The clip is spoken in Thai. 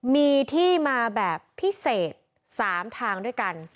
มีที่มาแบบพิเศษ๓ทางด้วยกัน